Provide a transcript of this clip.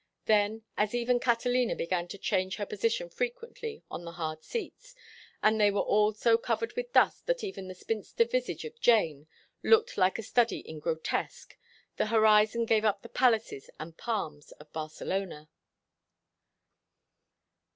Then, as even Catalina began to change her position frequently on the hard seats, and they were all so covered with dust that even the spinster visage of Jane looked like a study in grotesque, the horizon gave up the palaces and palms of Barcelona.